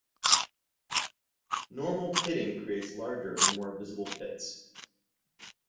Normal pitting creates larger and more visible pits.